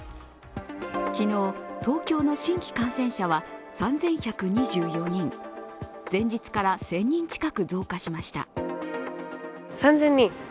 昨日、東京の新規感染者は３１２４人前日から１０００人近く増加しました。